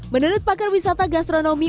menurut pakar wisata gastronomi